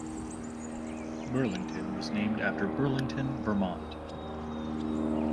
Burlington was named after Burlington, Vermont.